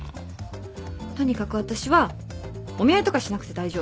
とにかく私はお見合いとかしなくて大丈夫。